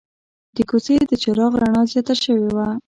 د کوڅې د چراغ رڼا زیاته شوې وه.